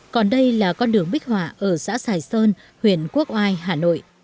còn đây là con đường bích họa ở xã sài sơn huyện quốc oai hà nội